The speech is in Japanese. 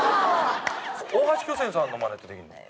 大橋巨泉さんのマネってできるの？